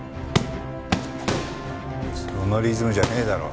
そのリズムじゃねえだろ。